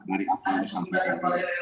dari abdi abdi nasyir sampai abdi abdi